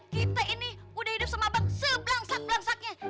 kita ini udah hidup sama abang sebelangsak belangsaknya